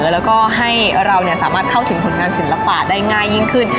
แล้วก็ให้เราสามารถเข้าถึงผลงานศิลปะได้ง่ายยิ่งขึ้น